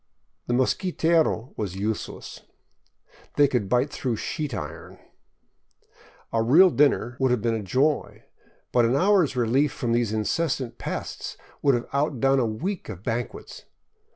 The mosquitero was useless. They could bite through sheet iron. A real dinner would have been a joy, but an hour's relief from these incessant pests would have outdone a week of banquets.